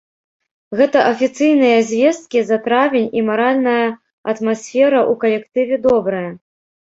Гэта афіцыйныя звесткі за травень і маральная атмасфера ў калектыве добрая.